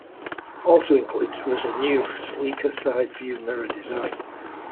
Also included was a new, sleeker side view mirror design.